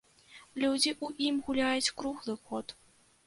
Людзі ў ім гуляюць круглы год.